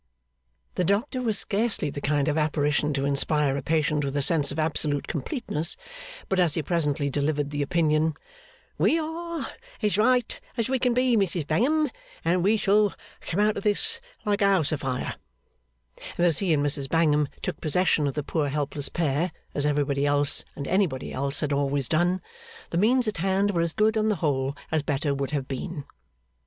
The doctor was scarcely the kind of apparition to inspire a patient with a sense of absolute completeness, but as he presently delivered the opinion, 'We are as right as we can be, Mrs Bangham, and we shall come out of this like a house afire;' and as he and Mrs Bangham took possession of the poor helpless pair, as everybody else and anybody else had always done, the means at hand were as good on the whole as better would have been.